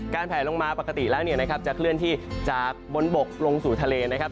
แผลลงมาปกติแล้วเนี่ยนะครับจะเคลื่อนที่จากบนบกลงสู่ทะเลนะครับ